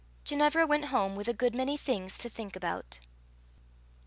Ginevra went home with a good many things to think about.